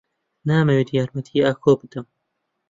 نامەوێت یارمەتیی ئاکۆ بدەم.